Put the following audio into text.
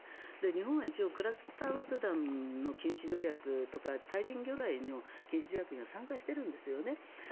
日本は一応クラスター爆弾の禁止条約とか対人魚雷の禁止条約には参加してるんですよね。